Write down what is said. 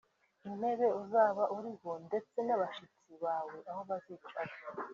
intebe uzaba uriho ndetse n’abashyitsi bawe aho bazicara